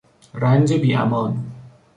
رنج بی امان